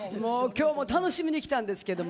今日も楽しみに来たんですけど。